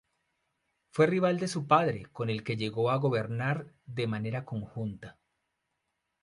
Fue rival de su padre, con el que llegó a gobernar de manera conjunta.